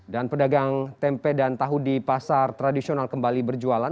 dan pedagang tempe dan tahu di pasar tradisional kembali berjualan